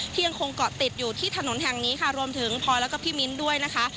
ยังคงเกาะติดอยู่ที่ถนนแห่งนี้ค่ะรวมถึงพลอยแล้วก็พี่มิ้นด้วยนะคะ